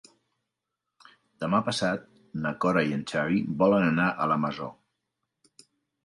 Demà passat na Cora i en Xavi volen anar a la Masó.